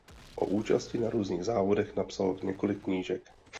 O účasti na různých závodech napsal několik knížek.